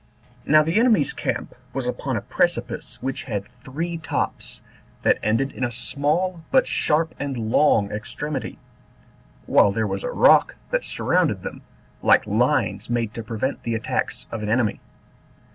Now the enemy's camp was upon a precipice which had three tops, that ended in a small but sharp and long extremity, while there was a rock that surrounded them, like lines made to prevent the attacks of an enemy.